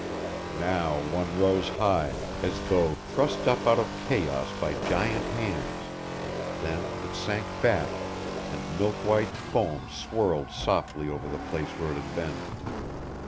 Now one rose high, as though thrust up out of chaos by giant hands; then it sank back, and milk white foam swirled softly over the place where it had been.